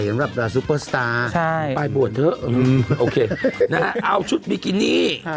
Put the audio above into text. เหมือนแบบซูเปอร์สตาร์ปลายบวชเถอะโอเคนะฮะเอาชุดบิกินี่